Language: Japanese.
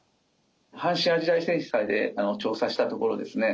阪神淡路大震災で調査したところですね